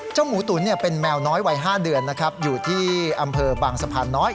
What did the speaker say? หมูตุ๋นเป็นแมวน้อยวัย๕เดือนนะครับอยู่ที่อำเภอบางสะพานน้อย